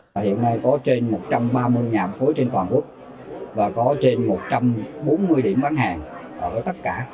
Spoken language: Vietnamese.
và hiện nay có trên một trăm ba mươi nhà phối trên toàn quốc và có trên một trăm bốn mươi điểm bán hàng ở tất cả